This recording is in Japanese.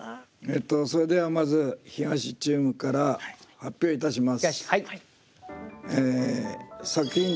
それではまず東チームから発表いたします。